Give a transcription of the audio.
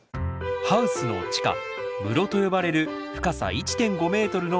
ハウスの地下「室」と呼ばれる深さ１．５ｍのスペースです。